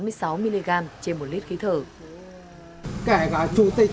kể cả chủ tịch tỉnh cũng thế thôi cũng phải uống rượu uống bia